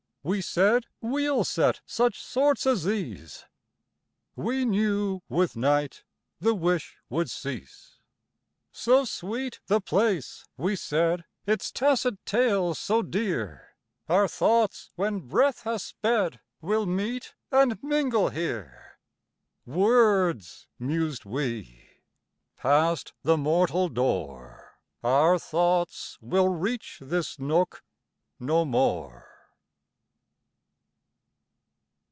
We said: "We'll set such sorts as these!" —We knew with night the wish would cease. "So sweet the place," we said, "Its tacit tales so dear, Our thoughts, when breath has sped, Will meet and mingle here!" ... "Words!" mused we. "Passed the mortal door, Our thoughts will reach this nook no more."